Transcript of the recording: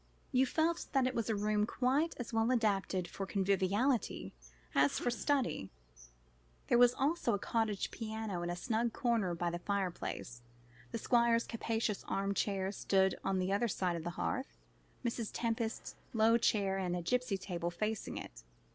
You felt that it was a room quite as well adapted for conviviality as for study. There was a cottage piano in a snug corner by the fireplace. The Squire's capacious arm chair stood on the other side of the hearth, Mrs. Tempest's low chair and gipsy table facing it.